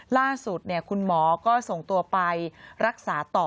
ล่าสุดคุณหมอก็ส่งตัวไปรักษาต่อ